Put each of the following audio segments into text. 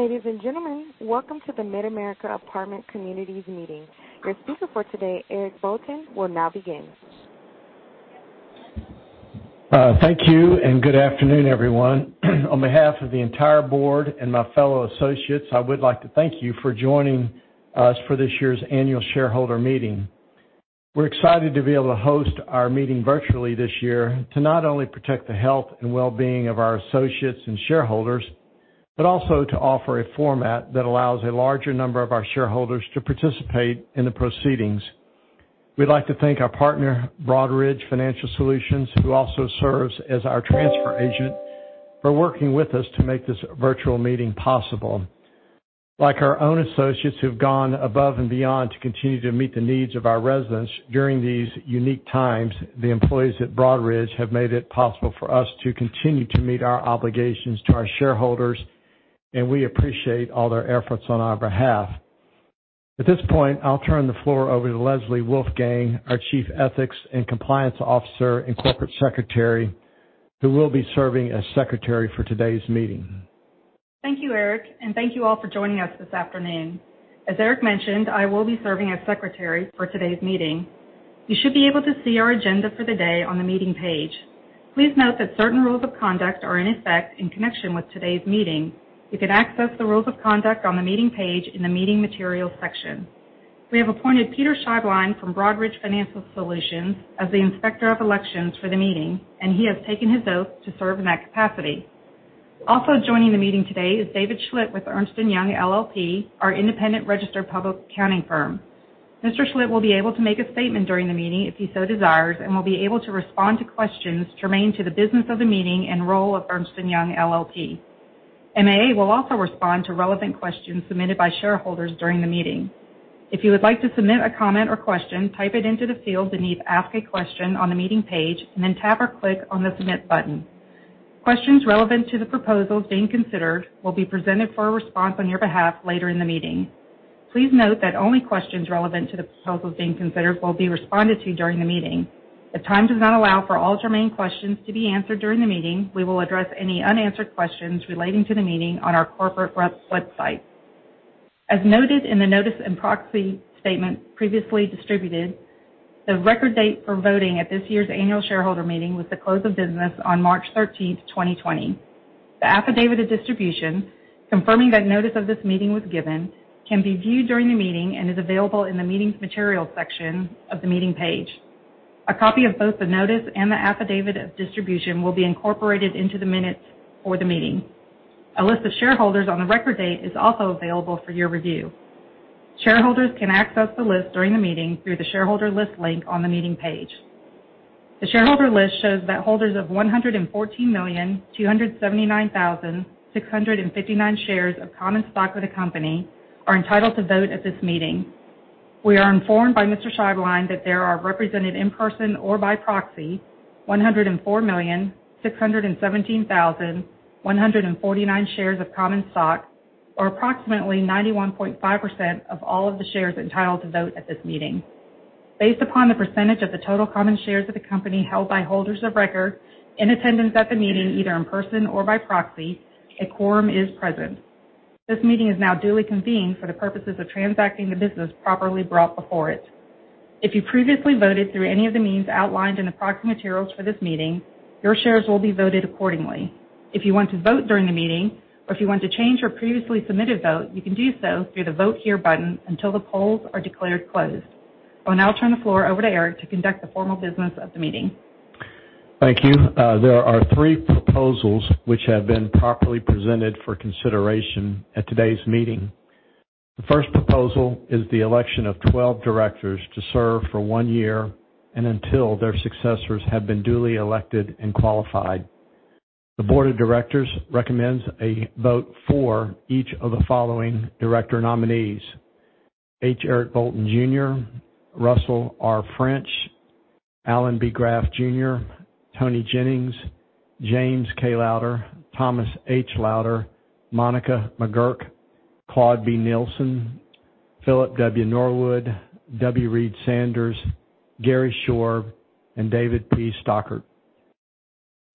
Ladies and gentlemen, welcome to the Mid-America Apartment Communities meeting. Your speaker for today, Eric Bolton, will now begin. Thank you. Good afternoon, everyone. On behalf of the entire board and my fellow associates, I would like to thank you for joining us for this year's annual shareholder meeting. We're excited to be able to host our meeting virtually this year to not only protect the health and well-being of our associates and shareholders, but also to offer a format that allows a larger number of our shareholders to participate in the proceedings. We'd like to thank our partner, Broadridge Financial Solutions, who also serves as our transfer agent, for working with us to make this virtual meeting possible. Like our own associates who've gone above and beyond to continue to meet the needs of our residents during these unique times, the employees at Broadridge have made it possible for us to continue to meet our obligations to our shareholders, and we appreciate all their efforts on our behalf. At this point, I'll turn the floor over to Leslie Wolfgang, our Chief Ethics & Compliance Officer & Corporate Secretary, who will be serving as secretary for today's meeting. Thank you, Eric, and thank you all for joining us this afternoon. As Eric mentioned, I will be serving as secretary for today's meeting. You should be able to see our agenda for the day on the meeting page. Please note that certain rules of conduct are in effect in connection with today's meeting. You can access the rules of conduct on the meeting page in the Meeting Materials section. We have appointed Peter Scheiblein from Broadridge Financial Solutions as the Inspector of Elections for the meeting, and he has taken his oath to serve in that capacity. Also joining the meeting today is David Schlitt with Ernst & Young LLP, our independent registered public accounting firm. Mr. Schlitt will be able to make a statement during the meeting if he so desires and will be able to respond to questions germane to the business of the meeting and role of Ernst & Young LLP. MAA will also respond to relevant questions submitted by shareholders during the meeting. If you would like to submit a comment or question, type it into the field beneath Ask a Question on the meeting page, and then tab or click on the Submit button. Questions relevant to the proposals being considered will be presented for a response on your behalf later in the meeting. Please note that only questions relevant to the proposals being considered will be responded to during the meeting. If time does not allow for all germane questions to be answered during the meeting, we will address any unanswered questions relating to the meeting on our corporate website. As noted in the notice and proxy statement previously distributed, the record date for voting at this year's annual shareholder meeting was the close of business on March 13th, 2020. The affidavit of distribution confirming that notice of this meeting was given can be viewed during the meeting and is available in the Meetings Materials section of the meeting page. A copy of both the notice and the affidavit of distribution will be incorporated into the minutes for the meeting. A list of shareholders on the record date is also available for your review. Shareholders can access the list during the meeting through the Shareholder List link on the meeting page. The shareholder list shows that holders of 114,279,659 shares of common stock with the company are entitled to vote at this meeting. We are informed by Mr. Scheiblein that there are represented in person or by proxy 104,617,149 shares of common stock, or approximately 91.5% of all of the shares entitled to vote at this meeting. Based upon the percentage of the total common shares of the company held by holders of record in attendance at the meeting, either in person or by proxy, a quorum is present. This meeting is now duly convened for the purposes of transacting the business properly brought before it. If you previously voted through any of the means outlined in the proxy materials for this meeting, your shares will be voted accordingly. If you want to vote during the meeting or if you want to change your previously submitted vote, you can do so through the Vote Here button until the polls are declared closed. I will now turn the floor over to Eric to conduct the formal business of the meeting. Thank you. There are three proposals which have been properly presented for consideration at today's meeting. The first proposal is the election of 12 directors to serve for one year and until their successors have been duly elected and qualified. The board of directors recommends a vote for each of the following director nominees: H. Eric Bolton, Jr., Russell R. French, Alan B. Graf Jr., Toni Jennings, James K. Lowder, Thomas H. Lowder, Monica McGurk, Claude B. Nielsen, Philip W. Norwood, W. Reid Sanders, Gary Shorb, and David P. Stockert.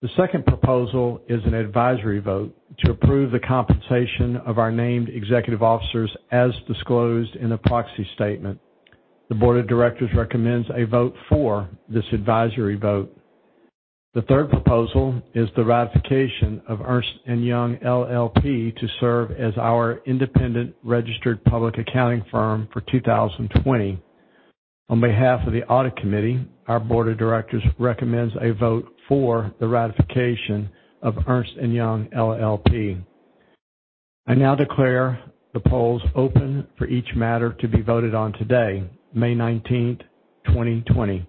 The second proposal is an advisory vote to approve the compensation of our named executive officers as disclosed in the proxy statement. The board of directors recommends a vote for this advisory vote. The third proposal is the ratification of Ernst & Young LLP to serve as our independent registered public accounting firm for 2020. On behalf of the audit committee, our board of directors recommends a vote for the ratification of Ernst & Young LLP. I now declare the polls open for each matter to be voted on today, May 19th, 2020.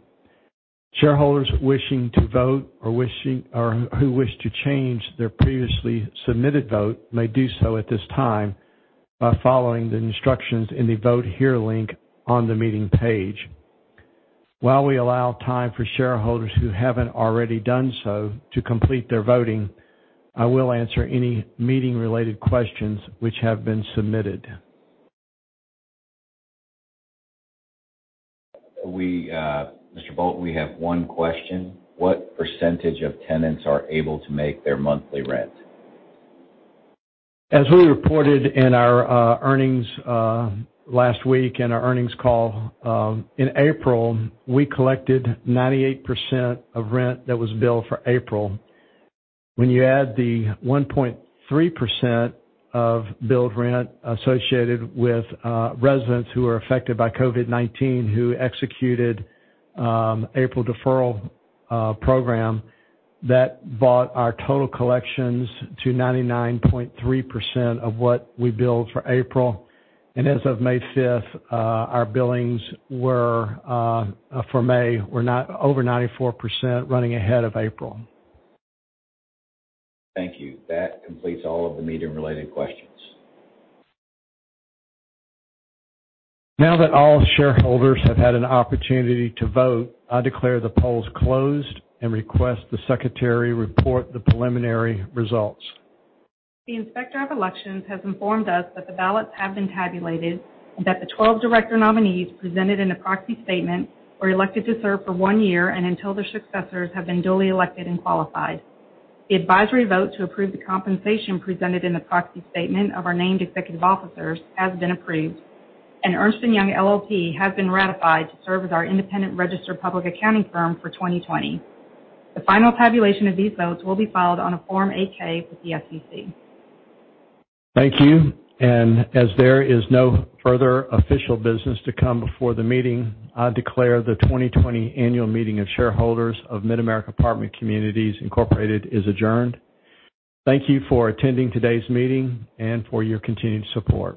Shareholders wishing to vote or who wish to change their previously submitted vote may do so at this time by following the instructions in the Vote Here link on the meeting page. While we allow time for shareholders who haven't already done so to complete their voting, I will answer any meeting-related questions which have been submitted. Mr. Bolton, we have one question. What percentage of tenants are able to make their monthly rent? As we reported in our earnings last week in our earnings call, in April, we collected 98% of rent that was billed for April. When you add the 1.3% of billed rent associated with residents who are affected by COVID-19 who executed April deferral program, that brought our total collections to 99.3% of what we billed for April. As of May 5th, our billings for May were over 94%, running ahead of April. Thank you. That completes all of the meeting-related questions. Now that all shareholders have had an opportunity to vote, I declare the polls closed and request the secretary report the preliminary results. The Inspector of Elections has informed us that the ballots have been tabulated and that the 12 director nominees presented in the proxy statement were elected to serve for one year and until their successors have been duly elected and qualified. The advisory vote to approve the compensation presented in the proxy statement of our named executive officers has been approved, and Ernst & Young LLP has been ratified to serve as our independent registered public accounting firm for 2020. The final tabulation of these votes will be filed on a Form 8-K with the SEC. Thank you, as there is no further official business to come before the meeting, I declare the 2020 Annual Meeting of Shareholders of Mid-America Apartment Communities Incorporated is adjourned. Thank you for attending today's meeting and for your continued support.